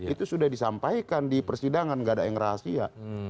itu sudah disampaikan di persidangan nggak ada yang rahasia